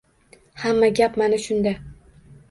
Hamma gap mana shunda.